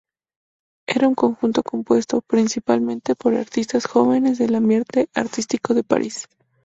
Era un conjunto compuesto, principalmente, por artistas jóvenes del ambiente artístico de París.